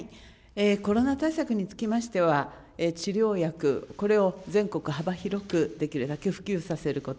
コロナ対策につきましては、治療薬、これを全国幅広く、できるだけ普及させること。